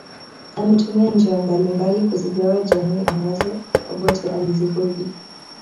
Ametumia njia mbalimbali kuzigawa jamii ambazo Obote alizihodhi